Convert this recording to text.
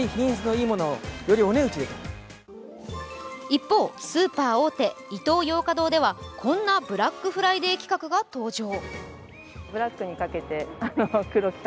一方、スーパー大手、イトーヨーカドーではこんなブラックフライデー企画が登場。